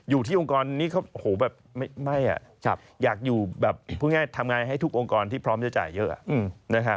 อยู่ที่องค์กรนี้เขาแบบไม่อยากอยู่แบบทำงานให้ทุกองค์กรที่พร้อมจะจ่ายเยอะ